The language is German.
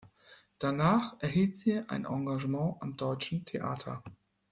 Danach erhielt sie ein Engagement am Deutschen Theater.